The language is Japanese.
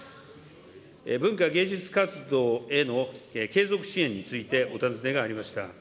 文化芸術活動への継続支援についてお尋ねがありました。